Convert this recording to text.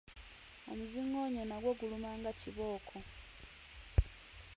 Omuzingoonyo nagwo guluma nga kibooko.